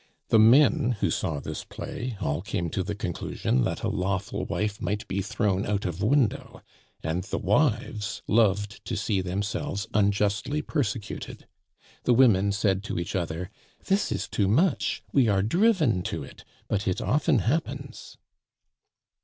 The men who saw this play all came to the conclusion that a lawful wife might be thrown out of window, and the wives loved to see themselves unjustly persecuted. The women said to each other: "This is too much! we are driven to it but it often happens!"